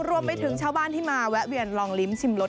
รวมไปถึงชาวบ้านที่มาแวะเวียนลองลิ้มชิมรส